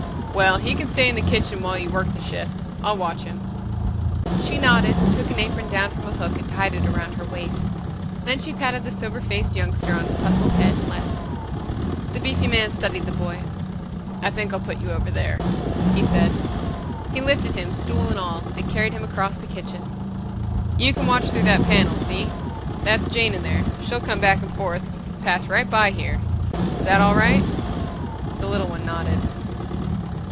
"Well, he can stay in the kitchen while you work the shift. I'll watch him." She nodded, took an apron down from a hook and tied it around her waist. Then she patted the sober faced youngster on his tousled head and left. The beefy man studied the boy. "I think I'll put you over there," he said. He lifted him, stool and all, and carried him across the kitchen. "You can watch through that panel. See? That's Jane in there. She'll come back and forth, pass right by here. Is that all right?" The little one nodded.